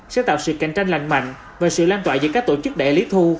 sẽ tạo sự cạnh tranh lành mạnh và sự lan tỏa giữa các tổ chức đại lý thu